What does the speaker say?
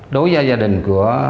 đối với gia đình của